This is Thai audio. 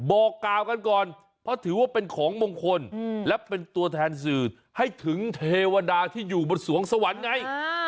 บอกกล่าวกันก่อนเพราะถือว่าเป็นของมงคลและเป็นตัวแทนสื่อให้ถึงเทวดาที่อยู่บนสวงสวรรค์ไง